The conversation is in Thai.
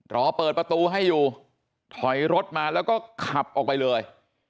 รอเปิดประตูให้อยู่ถอยรถมาแล้วก็ขับออกไปเลย